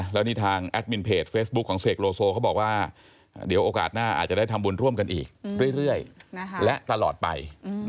แล้วนี่ทางแอดมินเพจเฟซบุ๊คของเสกโลโซเขาบอกว่าเดี๋ยวโอกาสหน้าอาจจะได้ทำบุญร่วมกันอีกเรื่อยและตลอดไป